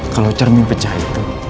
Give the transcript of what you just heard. kalau cermin pecah itu